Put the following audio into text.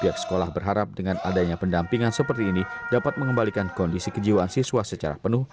pihak sekolah berharap dengan adanya pendampingan seperti ini dapat mengembalikan kondisi kejiwaan siswa secara penuh